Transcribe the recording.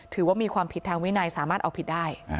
ถือว่ามีความผิดทางวินัยสามารถเอาผิดได้